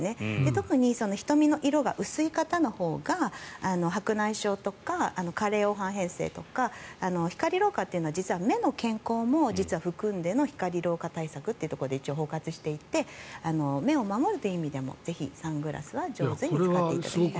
特に瞳の色が薄い方のほうが白内障と光老化というのは実は目の健康も含んでの光老化対策としていて目を守るという意味でもサングラスは上手に使っていただきたい。